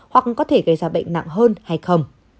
hoặc có thể gây ra bệnh nặng hơn hay không